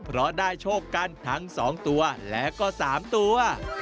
เพราะได้โชคกันทั้ง๒ตัวและก็๓ตัว